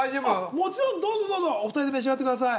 もちろんどうぞどうぞお二人で召し上がってください